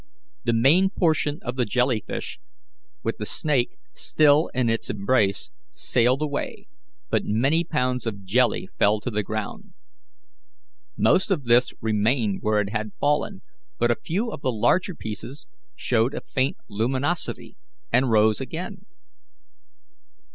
The main portion of the jellyfish, with the snake still in its embrace, sailed away, but many pounds of jelly fell to the ground. Most of this remained where it had fallen, but a few of the larger pieces showed a faint luminosity and rose again.